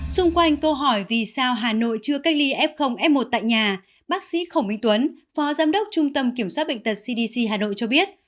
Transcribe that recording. xung quanh câu hỏi vì sao hà nội chưa cách ly f f một tại nhà bác sĩ khổng minh tuấn phó giám đốc trung tâm kiểm soát bệnh tật cdc hà nội cho biết